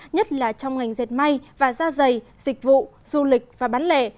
nhất là trong ngành dệt may và da dày dịch vụ du lịch và bán lẻ